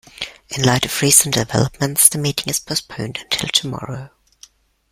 In light of recent developments, the meeting is postponed until tomorrow.